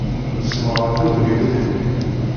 Nessemɣer tugniwin-nni.